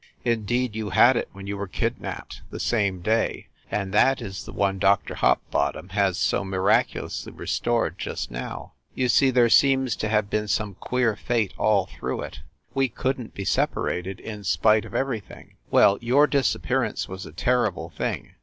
In deed, you had it when you were kidnapped, the same day ; and that is the one Dr. Hopbottom has so mi raculously restored just now. You see, there seems THE BREWSTER MANSION 321 to have been some queer fate all through it we couldn t be separated, in spite of everything. Well, your disappearance was a terrible thing.